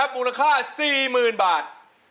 มูลค่า๔๐๐๐บาท